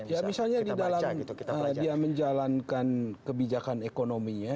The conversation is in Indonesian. ya misalnya di dalam dia menjalankan kebijakan ekonominya